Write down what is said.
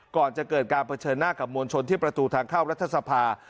ก่อนจะเกิดการเผชิญหน้ากับมวลชนที่ประตูทางเข้ารัฐสภา